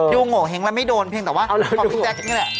โงเห้งแล้วไม่โดนเพียงแต่ว่าของพี่แจ๊คนี่แหละ